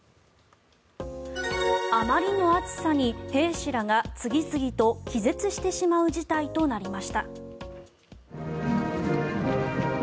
あまりの暑さに兵士らが次々と気絶してしまう事態となりました。